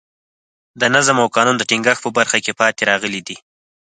د نظم او قانون د ټینګښت په برخه کې پاتې راغلي دي.